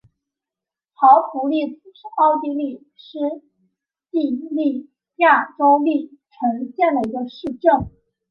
陶普利茨是奥地利施蒂利亚州利岑县的一个市镇。